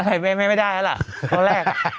ไม่ได้แล้วล่ะอันดับแรก